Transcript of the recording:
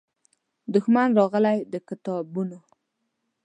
دښمن راغلی د کتابونو